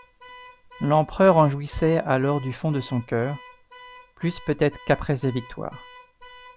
L'empereur en jouissait alors du fond de son cœur, plus peut-être qu'après ses victoires.